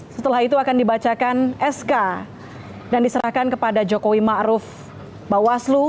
setelah itu akan dibacakan sk dan diserahkan kepada jokowi ma'ruf bawaslu